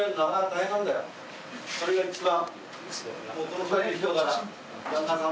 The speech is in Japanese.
それが一番。